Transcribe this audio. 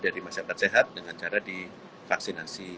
dari masyarakat sehat dengan cara divaksinasi